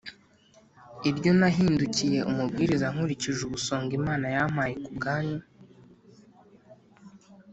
iryo nahindukiye umubwiriza nkurikije ubusonga Imana yampaye ku bwanyu